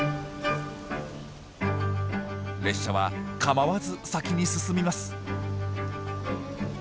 列車は構わず先に進みます。